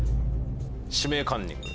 「指名カンニング」で。